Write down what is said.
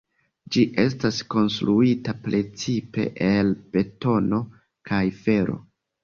Ĝi estas konstruita precipe el betono kaj fero.